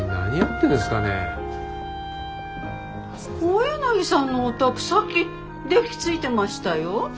大柳さんのお宅さっき電気ついてましたよ。